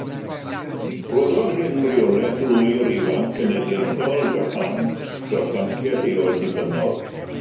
Rhoddodd hyn reolaeth lwyr i Fanc Cenedlaethol Japan dros fanciau lleol dibynnol.